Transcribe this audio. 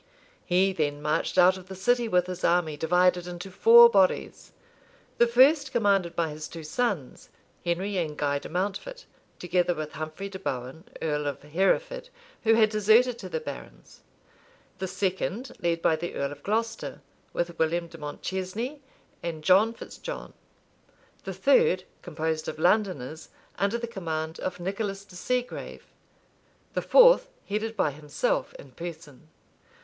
He then marched out of the city with his army, divided into four bodies: the first commanded by his two sons, Henry and Guy de Mountfort, together with Humphrey de Bohun, earl of Hereford, who had deserted to the barons; the second led by the earl of Glocester, with William de Montchesney and John Fitz John; the third, composed of Londoners, under the command of Nicholas de Segrave; the fourth headed by himself in person.